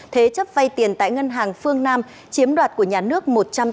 thế chấp vay tiền tại ngân hàng phương nam chiếm đoạt của nhà nước một trăm tám mươi sáu tỷ đồng